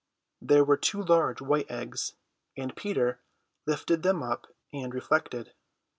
There were two large white eggs, and Peter lifted them up and reflected.